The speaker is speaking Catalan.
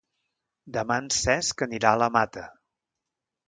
Demà en Cesc anirà a la Mata.